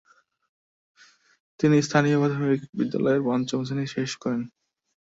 তিনি স্থানীয় প্রাথমিক বিদ্যালয়ে পঞ্চম শ্রেণি শেষ করেন।